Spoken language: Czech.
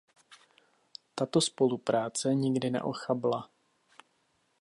Tato spolupráce nikdy neochabla.